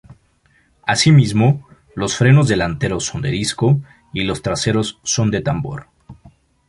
Así mismo, los frenos delanteros son de disco y los traseros son de tambor.